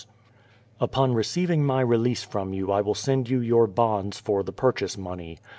Upon receiving my release from you I will send you 3'our bonds for the purchase money.